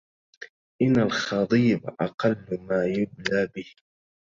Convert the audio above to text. إن الخضيب أقل ما يبلى به